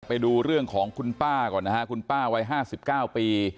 ไปดูเรื่องของคุณป้าก่อนนะฮะคุณป้าวัย๕๙ปี